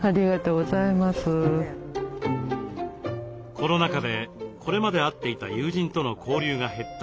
コロナ禍でこれまで会っていた友人との交流が減った